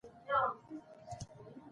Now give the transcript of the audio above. افغانستان په اوبزین معدنونه باندې تکیه لري.